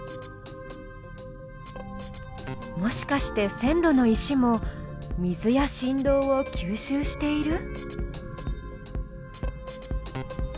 もしかして線路の石も水や振動を吸収している？